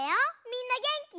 みんなげんき？